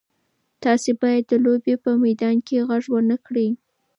تاسي باید د لوبې په میدان کې غږ ونه کړئ.